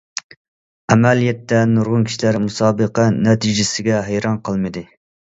ئەمەلىيەتتە، نۇرغۇن كىشىلەر مۇسابىقە نەتىجىسىگە ھەيران قالمىدى.